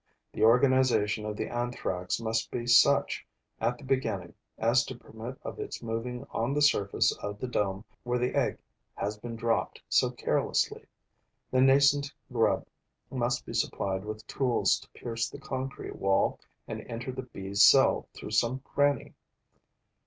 The organization of the Anthrax must be such, at the beginning, as to permit of its moving on the surface of the dome where the egg has been dropped so carelessly; the nascent grub must be supplied with tools to pierce the concrete wall and enter the Bee's cell through some cranny.